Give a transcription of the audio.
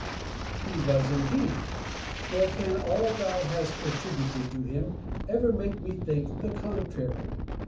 He was indeed ; nor can all thou hast attri buted to him ever make me think the contrary.